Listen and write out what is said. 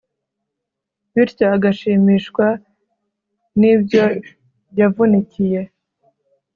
bityo agashimishwa n'ibyo yavunikiye